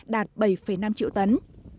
đạt bảy năm triệu tấn